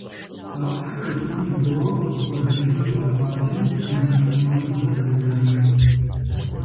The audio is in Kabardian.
Ахъшэ къитхъун и гугъэу щӀыпӀэ жыжьэ кӀуа щӀалэм ӀэнэщӀ-ӀунэщӀу къигъэзэжащ.